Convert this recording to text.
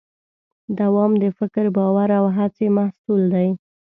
دوام د فکر، باور او هڅې محصول دی.